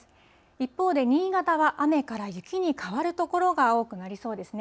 一方で新潟は雨から雪に変わる所が多くなりそうですね。